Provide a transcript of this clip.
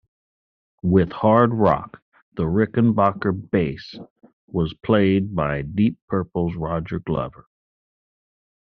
With hard rock, the Rickenbacker bass was played by Deep Purple's Roger Glover.